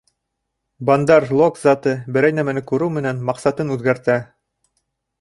Бандар-лог заты берәй нәмәне күреү менән маҡсатын үҙгәртә.